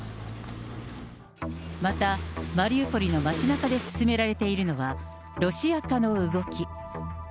またマリウポリの街なかで進められているのは、ロシア化の動き。